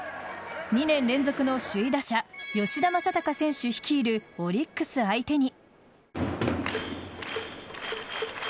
２年連続の首位打者吉田正尚選手率いるオリックス相手に。